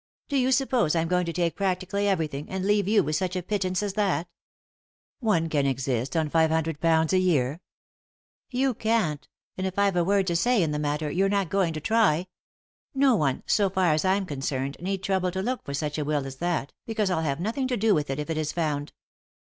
"Do you suppose I'm going to take prac tically everything, and leave you with such a pittance as that?" "One can exist on .£500 a year." " You can't, and, if I've a word to say in the matter, you're not going to try. No one, so for as I'm concerned, need trouble to look for such a will as that, because I'll have nothing to do with it if it is found."